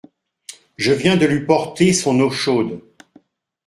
Je viens de lui porter son eau chaude.